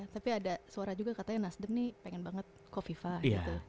tapi ada suara juga katanya nasden nih pengen banget ko viva gitu